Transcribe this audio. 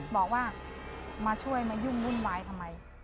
บอกว่ามาช่วยมายุ่งวุ่นวายทำไม